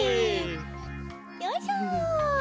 よいしょ！